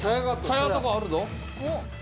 茶屋とかあるぞ。